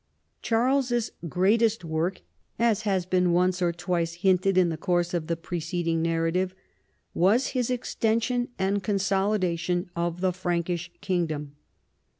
Charles's greatest work, as has been once or twice hinted in the course of the preceding narrative, was his extension and consolidation of the Frankish kingdom.